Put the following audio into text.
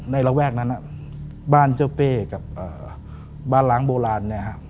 ในระแวกนั้นบ้านเจ้าเป้กับบ้านร้างโบราณ